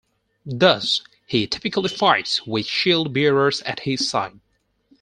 Thus, he typically fights with shield bearers at his side.